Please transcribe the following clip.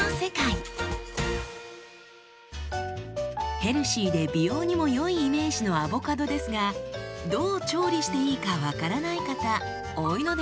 ヘルシーで美容にも良いイメージのアボカドですがどう調理していいか分からない方多いのではないでしょうか？